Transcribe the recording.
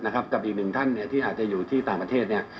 กับอีกหนึ่งท่านที่อาจจะอยู่ที่ต่างประเทศเนี่ย